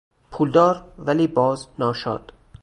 پولدار ولی باز ناشاد